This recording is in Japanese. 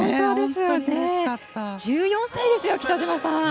１４歳ですよ、北島さん。